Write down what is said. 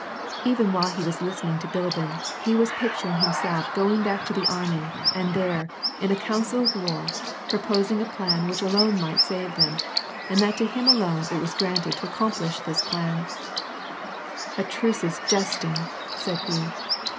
Even while he was listening to Bililbin, he was pictur ing himself going back to the army, and there, in a council of war, proiX)sing a plan which alone might save them, and that to him alone it was granted to accomplish this plan. 192 WAR AND PEACE. " A truce to jesting," said he.